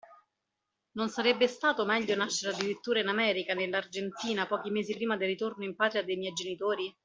Non sarebbe stato meglio nascere addirittura in America, nell'Argentina, pochi mesi prima del ritorno in patria de' miei genitori?